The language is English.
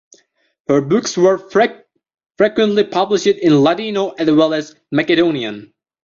Her books were frequently published in Ladino as well as Macedonian.